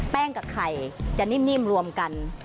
กับไข่จะนิ่มรวมกัน